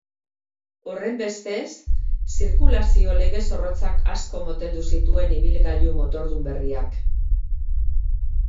Horrenbestez, zirkulazio lege zorrotzak asko moteldu zituen ibilgailu motordun berriak.